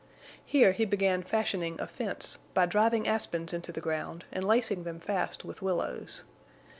Here he began fashioning a fence, by driving aspens into the ground and lacing them fast with willows.